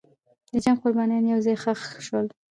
د جنګ قربانیان یو ځای ښخ شول.